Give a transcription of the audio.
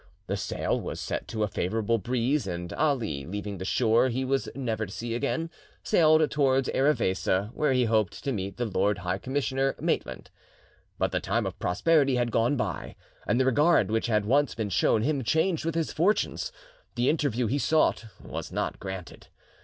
The sail was set to a favourable breeze, and Ali, leaving the shore he was never to see again, sailed towards Erevesa, where he hoped to meet the Lord High Commissioner Maitland. But the time of prosperity had gone by, and the regard which had once been shown him changed with his fortunes. The interview he sought was not granted.